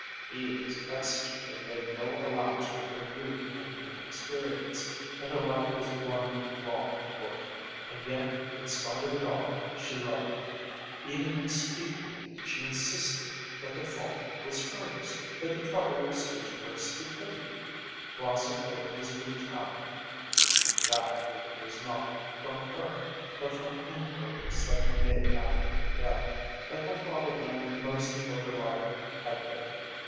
He was exigent and made no allowance for her youth and inexperience, and her life was one long torture. And yet in spite of it all she loved him. Even in speaking of it she insisted that the fault was hers, that the trouble was due to her stupidity, glossing over his brutality; in fact, it was not from her, but from inquiries that he made after her death, that my father learned most of what her life had been.